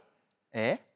えっ？